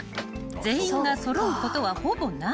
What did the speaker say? ［全員が揃うことはほぼない］